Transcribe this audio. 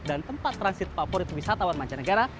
dan tempat transit favorit wisatawan mancanegara